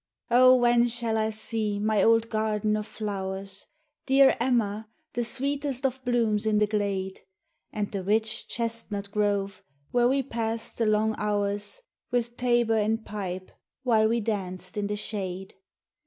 O when shall I see my old garden of flowers, Dear Emma, the sweetest of blooms in the glade, And the rich chestnut grove, where we pass'd the long hours With tabor and pipe, while we danced in the shade?